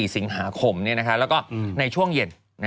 ๔สิงหาคมแล้วก็ในช่วงเย็น